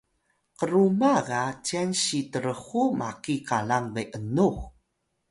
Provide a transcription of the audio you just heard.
kruma ga cyan si trhu maki qalang be’nux